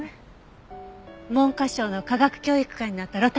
文科省の科学教育官になった呂太くんから。